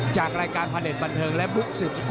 จากรายการพระเด็จบันเทิงและบุ๊กสืบสก